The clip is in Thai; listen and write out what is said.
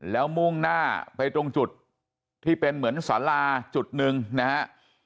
แล้วมุ่งหน้าไปตรงจุดที่เป็นเหมือนสาราจุดหนึ่งนะฮะ